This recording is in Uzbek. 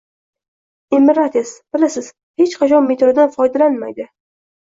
Emirates, bilasiz, hech qachon metrodan foydalanmaydi.